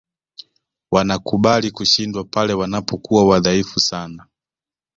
wanakubali kushindwa pale wanapokuwa wadhaifu sana